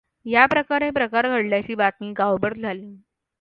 याप्रमाणे प्रकार घडल्याची बातमी गावभर झाली.